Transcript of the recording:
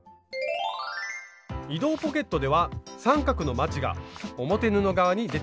移動ポケットでは三角のまちが表布側に出ています。